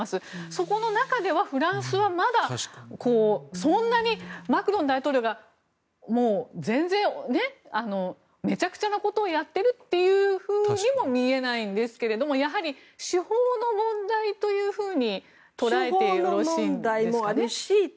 そこの中ではフランスはまだそんなにマクロン大統領が全然めちゃくちゃなことをやってるというふうにも見えないんですがやはり手法の問題というふうに捉えてよろしいんでしょうか。